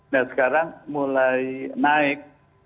nah sekarang mulai naik